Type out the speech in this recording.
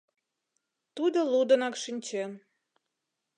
Тудо лудынак шинчен.